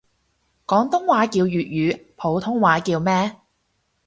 廣東話叫粵語，普通話叫咩？